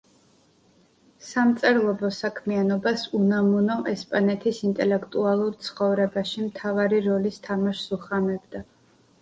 სამწერლობო საქმიანობას უნამუნო ესპანეთის ინტელექტუალურ ცხოვრებაში მთავარი როლის თამაშს უხამებდა.